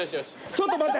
ちょっと待って！